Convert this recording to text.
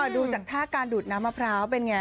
ดูจากท่าการดูดน้ำมะพร้าวเป็นไง